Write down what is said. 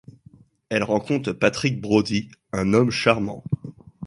Elle rencontre Patrick Brody, un homme charmant.